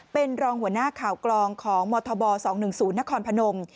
เป็นรองหัวหน้าข่าวกลองของมธบ๒๑๐นครพนม